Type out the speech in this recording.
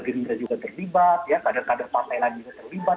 gerindra juga terlibat kader kader partai lain juga terlibat